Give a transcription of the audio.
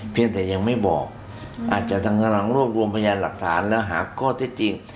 เพียงแต่ยังไม่บอกอาจจะทางกำลังรวบรวมพยานหลักฐานและหาข้อเท็จจริง